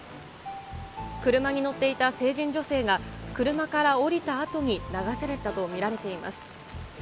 車に乗っていた成人女性が、車から降りたあとに流されたと見られています。